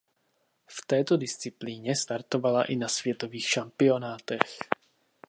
V této disciplíně startovala i na světových šampionátech.